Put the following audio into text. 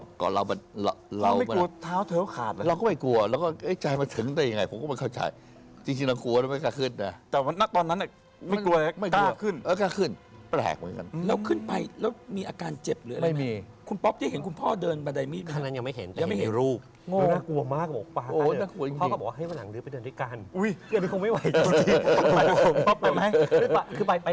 พี่สาวเปลี่ยนไหมครับพี่สาวเปลี่ยนไหมครับพี่สาวเปลี่ยนไหมครับพี่สาวเปลี่ยนไหมครับพี่สาวเปลี่ยนไหมครับพี่สาวเปลี่ยนไหมครับพี่สาวเปลี่ยนไหมครับพี่สาวเปลี่ยนไหมครับพี่สาวเปลี่ยนไหมครับพี่สาวเปลี่ยนไหมครับพี่สาวเปลี่ยนไหมครับพี่สาวเปลี่ยนไหมครับพี่สาวเปลี่ยนไหมครับพี่